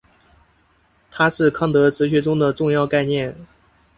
它是康德哲学中的重要概念。